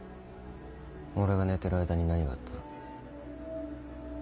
俺が寝てる間に何があった？